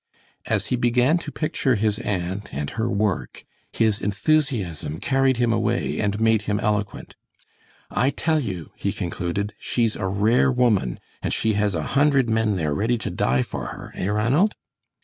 As he began to picture his aunt and her work, his enthusiasm carried him away, and made him eloquent. "I tell you," he concluded, "she's a rare woman, and she has a hundred men there ready to die for her, eh, Ranald?"